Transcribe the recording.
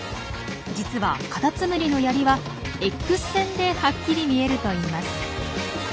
実はカタツムリのヤリはＸ線ではっきり見えるといいます。